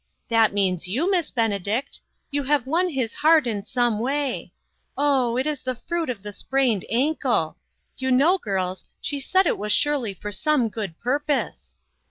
That means you, Miss Benedict. You have won his heart in some way. Oh, it is the fruit of the sprained ankle. You know, girls, she said it was surely for some good purpose."